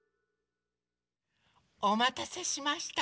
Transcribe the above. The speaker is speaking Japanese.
おまたせしました！